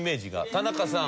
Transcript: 田中さん。